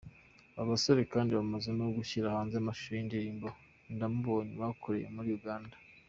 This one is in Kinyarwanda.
Aba basore kandi bamaze no gushyira hanze amashusho y’indirimbo ‘Ndamubonye’ bakoreye muri Uganda.